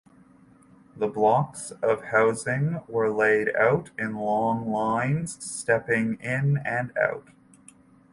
The blocks of housing were laid out in long lines stepping in and out.